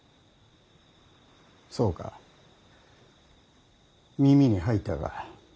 そうか耳に入ったか。